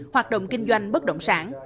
hoạt động kinh doanh bất động sản